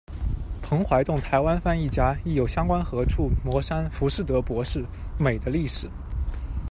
彭淮栋，台湾翻译家，译有《乡关何处》、《魔山》、《浮士德博士》、《美的历史》。